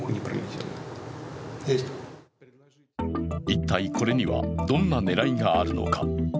一体これにはどんな狙いがあるのか。